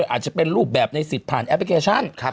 อาจจะเป็นรูปแบบในสิทธิ์ผ่านแอปพลิเคชัน